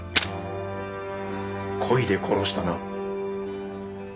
こいで殺したな。